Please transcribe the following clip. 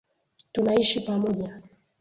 Tunaishi pamoja